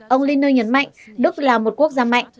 ông linner nhấn mạnh đức là một quốc gia mạnh